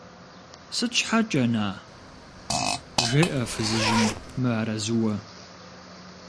– Сыт щхьэкӀэ-на? – жеӀэ фызыжьым мыарэзыуэ.